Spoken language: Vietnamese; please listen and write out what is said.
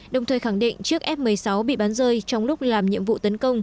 đồng thời khẳng định chiếc f một mươi sáu bị bắn rơi trong lúc làm nhiệm vụ tấn công